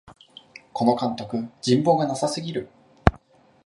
この監督、人望がなさすぎる